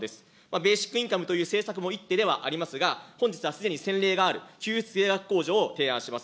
ベーシックインカムという政策も一手ではありますが、本日はすでに先例がある、給付付き税額控除を提案します。